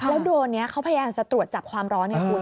แล้วโดรนเนี่ยเขาแพรงจะตรวจจับความร้อนไงคุณ